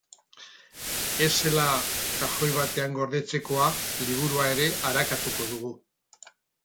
Ez zela kajoi batean gordetzekoa liburua ere arakatuko dugu.